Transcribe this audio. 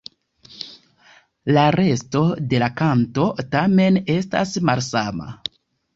La resto de la kanto, tamen, estas malsama.